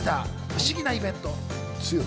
不思議なイベント。